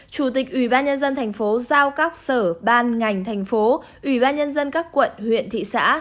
chủ tịch ủy ban nhân dân thành phố giao các sở ban ngành thành phố ủy ban nhân dân các quận huyện thị xã